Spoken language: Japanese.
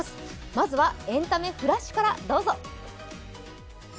まずはエンタメフラッシュからどうぞ。